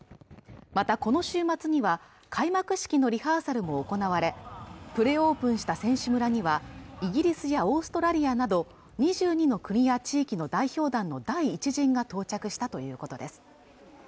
またこの週末には開幕式のリハーサルも行われプレオープンした選手村にはイギリスやオーストラリアなど２２の国や地域の代表団の第１陣が到着したということです